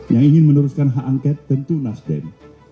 yang ingin meneruskan hak angket tentu nasdem